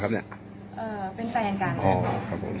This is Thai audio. เป็นแฟนกัน